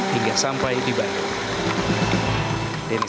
hingga sampai di ciranjang